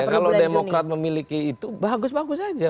kalau demokrat memiliki itu bagus bagus saja